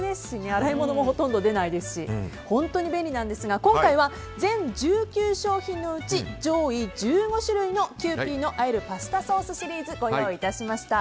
洗い物もほとんど出ないですし本当に便利なんですが今回は全１９商品のうち上位１５種類のキユーピーのあえるパスタソースシリーズご用意いたしました。